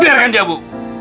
biarkan dia bu